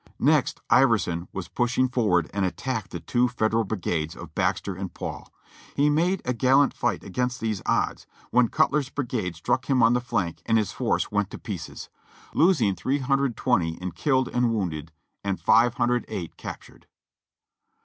Next Iverson was pushed forward and attacked the two Fed eral brigades of Baxter and Paul. He made a gallant fight against these odds, when Cutler's brigade struck him on the flank and his force went to pieces; losing 320 in killed and wounded, and 508 captured.